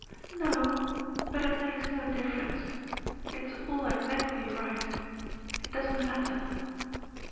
"No, but it makes no difference. It's all exactly right it doesn't matter."